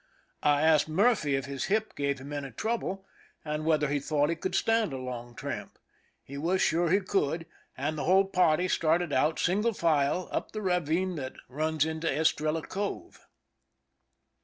I asked Murphy if his hip gave him any trouble, and whether he thought he could stand a long tramp. He was sure he could, and the whole party started ahead, single file, up the ravine that runs into Estrella Cove.